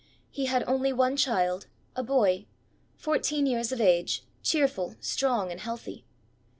He had only one child, a boy, fourteen years of age, cheerful, strong, and healthy.